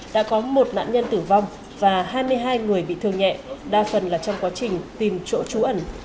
đã có một nạn nhân tử vong và hai mươi hai người bị thương nhẹ đa phần là trong quá trình tìm chỗ trú ẩn